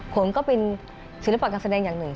คนก็เป็นศิลปะการแสดงอย่างหนึ่ง